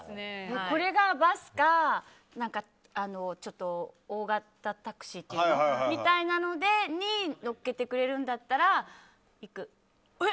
これがバスか大型タクシーみたいなのに乗せてくれるんだったら行く。